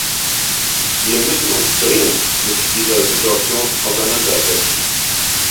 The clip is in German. Wir müssen uns dringend mit dieser Situation auseinander setzen.